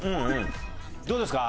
どうですか？